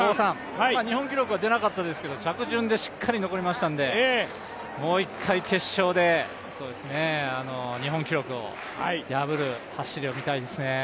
日本記録は出なかったですが、着順でしっかり残ったのでもう一回決勝で、日本記録を破る走りを見たいですね。